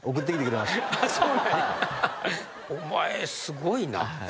お前すごいな。